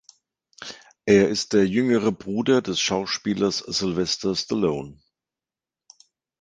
Er ist der jüngere Bruder des Schauspielers Sylvester Stallone.